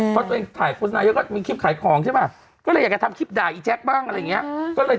พอตัวเองถ่ายคนไหนไงก็มีคลิปขายของใช่ไหมก็เลยอยากไปทำคลิปด่ายอีแจ๊กบ้างอะไรเงี้ย